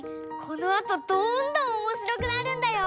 このあとどんどんおもしろくなるんだよ！